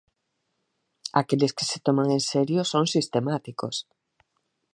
Aqueles que se toman en serio son sistemáticos.